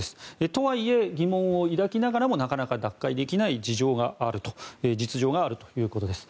とはいえ、疑問を抱きながらもなかなか脱会できない実情があるということです。